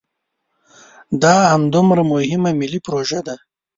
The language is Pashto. دا همدومره مهمه ملي پروژه ده.